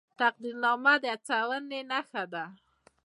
تقدیرنامه د هڅونې نښه ده